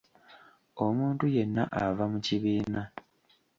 Omuntu yenna ava mu kibiina .